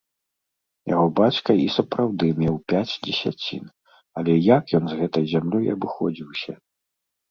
Яго бацька і сапраўды меў пяць дзесяцін, але як ён з гэтай зямлёй абыходзіўся?